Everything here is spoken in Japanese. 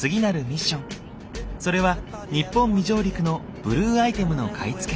それは日本未上陸のブルーアイテムの買い付け。